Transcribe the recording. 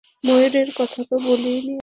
ময়ুরের কথা তো বলিইনি আমি।